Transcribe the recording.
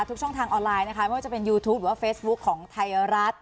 ทุกช่องทางออนไลน์นะคะไม่ว่าจะเป็นยูทูปหรือว่าเฟซบุ๊คของไทยรัฐ